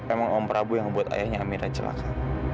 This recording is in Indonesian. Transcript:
emang om prabu yang buat ayahnya amira celaka